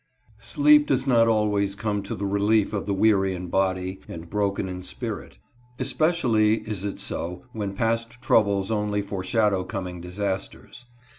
SLEEP does not always come to the relief of the weary in body, and broken in spirit ; especially is it so when past troubles only foreshadow coming disasters.